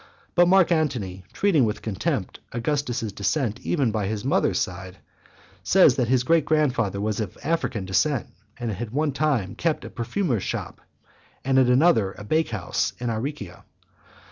But Mark Antony, treating with contempt Augustus's descent even by the mother's side, says that his great grand father was of African descent, and at one time kept a perfumer's shop, and at another, a bake house, in Aricia.